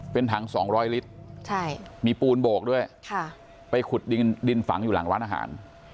เป็นถัง๒๐๐ลิตรมีปูนโบกด้วยไปขุดดินฝังอยู่หลังร้านอาหาร